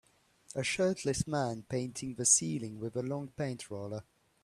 A shirtless man painting the ceiling with a long paint roller.